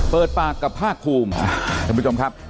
เปิดปากกับภาคภูมิท่านผู้ชมครับ